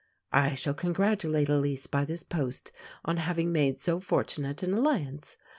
I shall congratulate Elise by this post on having made so fortunate an alliance.